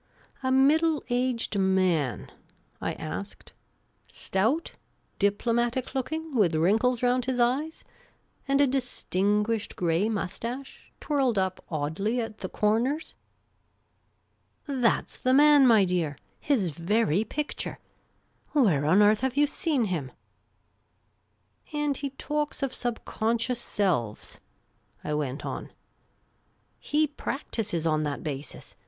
" A middle aged man ?" I asked, *" Stout, diplomatic looking, with wrinkles round his eyes, and a dis tinguished grey moustache, twirled up oddly at the corners ?''" That 's the man, my dear ! His very picture. Where on earth have you seen him ?''" And he talks of sub conscious selves ?" I went on. " He practises on that basis.